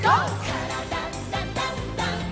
「からだダンダンダン」